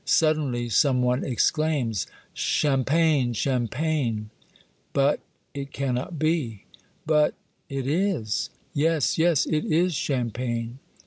Suddenly some one exclaims, —Champagne, champagne !"'' But — it cannot be." '^ But — it is." *' Yes, yes, it is champagne